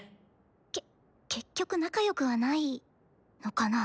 け結局仲良くはないのかな？